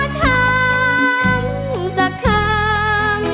ขอทำสักคำ